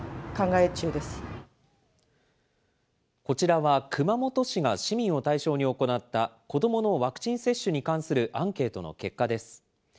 こちらは熊本市が市民を対象に行った子どものワクチン接種に関するアンケートの結果です。